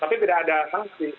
tapi tidak ada sanksi